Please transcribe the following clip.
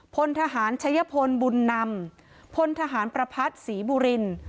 พลทหารชัยพลบุญนำพลทหารประพัทธ์ศรีบุริน